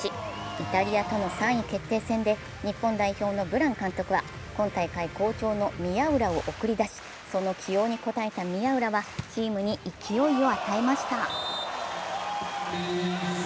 イタリアとの３位決定戦で日本代表のブラン監督は今大会好調の宮浦を送り出し、その起用に応えた宮浦はチームに勢いを与えました。